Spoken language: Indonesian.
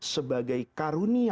sebagai karunia allah